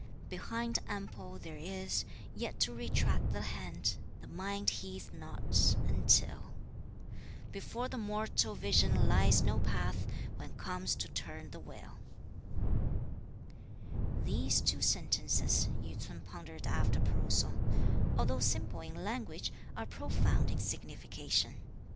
Behind ample there is, yet to retract the hand, the mind heeds not, until. Before the mortal vision lies no path, when comes to turn the will. "These two sentences," Yü ts'un pondered after perusal, "although simple in language, are profound in signification.